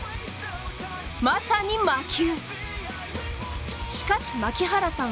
まさに魔球！